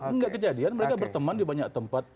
enggak kejadian mereka berteman di banyak tempat